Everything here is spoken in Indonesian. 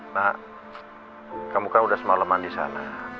mak kamu kan udah semalam di sana